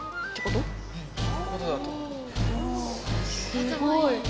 すごい。